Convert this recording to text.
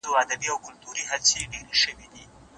تا ته د جلاد له سره خنجره زندان څه ویل